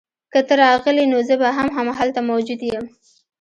که ته راغلې نو زه به هم هلته موجود یم